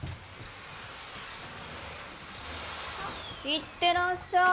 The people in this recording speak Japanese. いってらっしゃい。